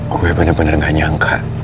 gue bener bener gak nyangka